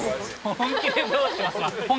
本気でどうします？